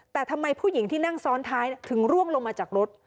แต่ทำไมผู้หญิงที่นั่งซ้อนท้ายถึงร่วงลงมาจากรถ